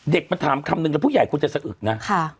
มาถามคำนึงแล้วผู้ใหญ่คุณจะสะอึกนะ